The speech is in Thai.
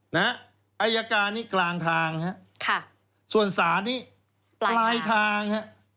ต้นทางครับอายการนี่กลางทางส่วนสารนี่ปลายทาง